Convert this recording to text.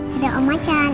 dadah opa can